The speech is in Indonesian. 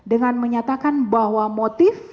dengan menyatakan bahwa motif